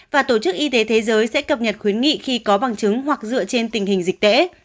và tổ chức y tế thế giới sẽ cập nhật khuyến nghị khi có bằng chứng hoặc dựa trên tình hình dịch tễ